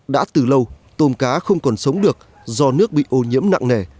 đã từ lâu tôm cá không còn sống được do nước bị ô nhiễm nặng nề